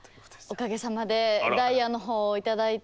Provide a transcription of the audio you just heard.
おかげさまでダイヤのほうを頂いて。